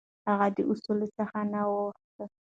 هغه د اصولو څخه نه اوښت.